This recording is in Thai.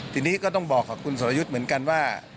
ทีนี้ก็ต้องบอกกับคุณสรยุทธ์เหมือนกันว่า